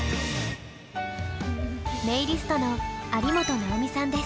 ネイリストの有本奈緒美さんです。